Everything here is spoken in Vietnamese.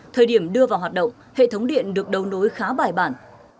thời điểm đưa vào hoạt động hệ thống điện được đầu nối khá bài bản